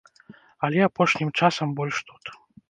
Але апошнім часам больш тут.